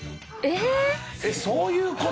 えっそういう事？